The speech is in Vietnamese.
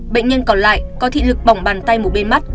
bệnh nhân còn lại có thị lực bỏng bàn tay một bê mắt